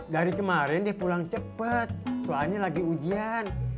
dari kemarin deh pulang cepet soalnya lagi ujian